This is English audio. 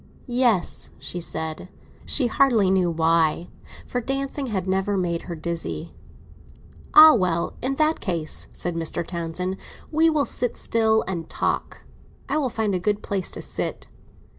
"Yes," she said; she hardly knew why, for dancing had never made her dizzy. "Ah, well, in that case," said Mr. Townsend, "we will sit still and talk. I will find a good place to sit."